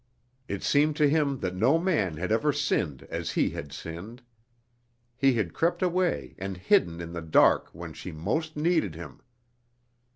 It seemed to him that no man had ever sinned as he had sinned. He had crept away and hidden in the dark when she most needed him.